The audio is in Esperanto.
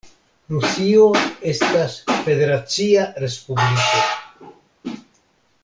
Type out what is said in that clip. Rusio estas federacia respubliko.